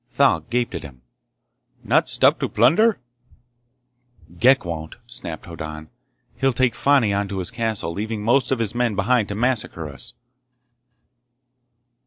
Thal gaped at him. "Not stop to plunder?" "Ghek won't!" snapped Hoddan. "He'll take Fani on to his castle, leaving most of his men behind to massacre us!"